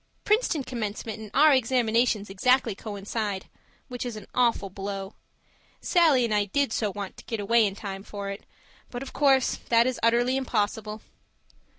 Princeton commencement and our examinations exactly coincide which is an awful blow. Sallie and I did so want to get away in time for it, but of course that is utterly impossible.